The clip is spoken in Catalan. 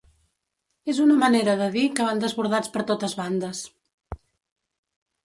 És una manera de dir que van desbordats per totes bandes.